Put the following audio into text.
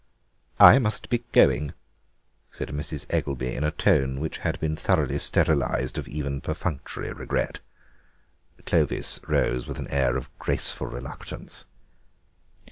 "I must be going," said Mrs. Eggelby, in a tone which had been thoroughly sterilised of even perfunctory regret. Clovis rose with an air of graceful reluctance.